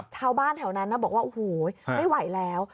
ชาวบ้านแถวนั้นนะบอกว่าโอ้โหไม่ไหวแล้ว